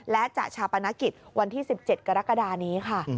และจะชาปนกิจวันที่๑๗กรกฎานี้ค่ะ